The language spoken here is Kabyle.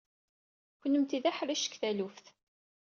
Kennemti d aḥric seg taluft.